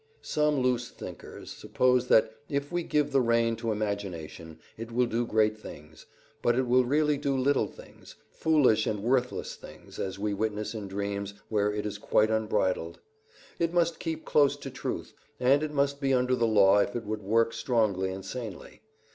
Some loose thinkers suppose that if we give the rein to imagination it will do great things, but it will really do little things, foolish and worthless things, as we witness in dreams, where it is quite unbridled. It must keep close to truth, and it must be under the law if it would work strongly and sanely.